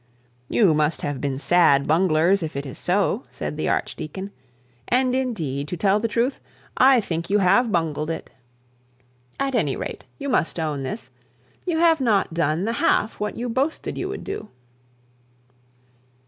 'You must have been sad bunglers if it is so,' said the archdeacon; 'and indeed, to tell the truth, I think you have bungled it. At any rate, you must own this; you have not done the half what you boasted you would do.'